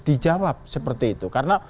dijawab seperti itu karena